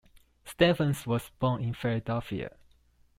Stephens was born in Philadelphia.